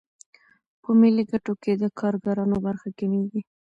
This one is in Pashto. په ملي ګټو کې د کارګرانو برخه کمېږي